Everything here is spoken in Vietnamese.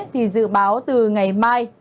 thì dự báo từ ngày mai